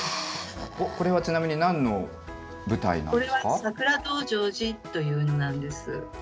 これはちなみに何の舞台なんですか？